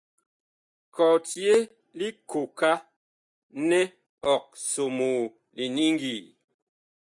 Kɔtye likooka nɛ ɔg somoo liniŋgi.